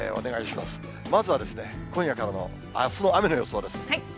まずはですね、今夜からのあすの雨の予想です。